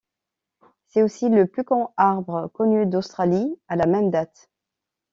C'est aussi le plus grand arbre connu d'Australie à la même date.